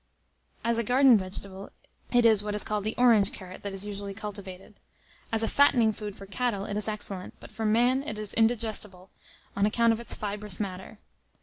As a garden vegetable, it is what is called the orange carrot that is usually cultivated. As a fattening food for cattle, it is excellent; but for man it is indigestible, on account of its fibrous matter.